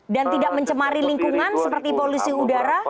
dan tidak mencemari lingkungan seperti polusi udara